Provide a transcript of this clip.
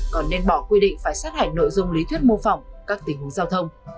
còn nên bỏ quy định phải sát hành nội dung lý thuyết mô phỏng các tình huống giao thông